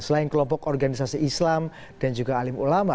selain kelompok organisasi islam dan juga alim ulama